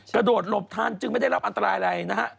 กระโดดหลบทันจึงไม่ได้รับอันตรายอะไรนะฮะ